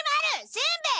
しんべヱ！